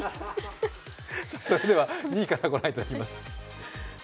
それでは、２位からご覧いただきます。